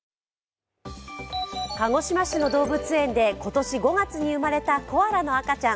鹿児島市の動物園で今年５月に生まれたコアラの赤ちゃん。